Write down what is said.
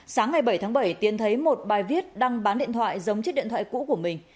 sáng ngày bảy tháng bảy tiến thấy một bài viết đăng bán điện thoại giống chiếc điện thoại cũ của mình